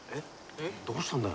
えっどうしたんだよ？